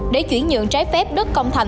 để chuyển nhượng trái phép đất công thành